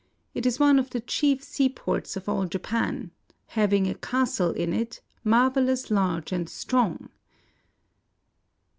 It is one of the chiefe sea ports of all lapan ; hauing a castle in it, maruellous large and strong"